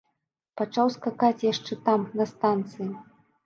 Пачаў скакаць яшчэ там, на станцыі.